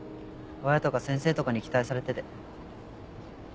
親とか先生とかに期待されてて。